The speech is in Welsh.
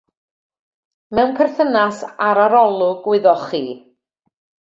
Mewn perthynas â'r arolwg wyddoch chi.